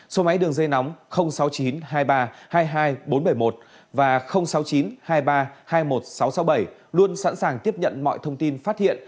số máy đường dây nóng sáu mươi chín hai mươi ba hai mươi hai nghìn bốn trăm bảy mươi một và sáu mươi chín hai mươi ba hai mươi một nghìn sáu trăm sáu mươi bảy luôn sẵn sàng tiếp nhận mọi thông tin phát hiện